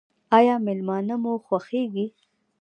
ایا میلمانه مو خوښیږي؟